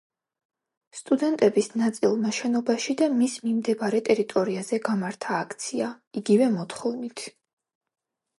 სტუდენტები ნაწილმა შენობაში და მის მიმდებარე ტერიტორიაზე გამართა აქცია იგივე მოთხოვნით.